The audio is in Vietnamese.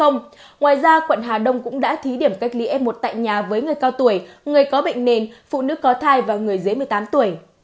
ngoài ra quận hà đông cũng đã thí điểm cách ly f một tại nhà với người cao tuổi người có bệnh nền phụ nữ có thai và người dưới một mươi tám tuổi